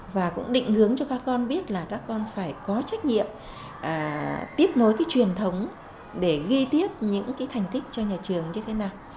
và cũng định hướng cho các con biết là các con phải có trách nhiệm tiếp nối cái truyền thống để ghi tiếp những cái thành tích cho nhà trường như thế nào